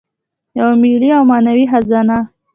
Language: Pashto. یوه ملي او معنوي خزانه.